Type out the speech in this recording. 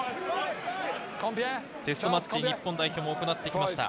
テストマッチ、日本代表も行ってきました